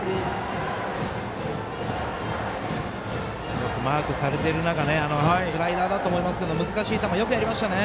よくマークされている中スライダーだと思いますが難しい球、よくやりました。